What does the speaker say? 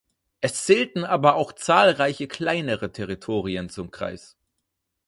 Es zählten aber auch zahlreiche kleinere Territorien zum Kreis.